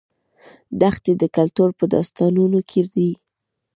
دښتې د کلتور په داستانونو کې دي.